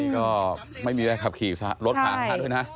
ก็ไม่มีอะไรขับขี่รถขาดด้วยนะ